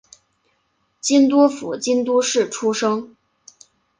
京都府京都市出身。